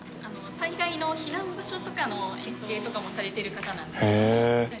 災害の避難場所とかの設計とかもされている方なんですけども。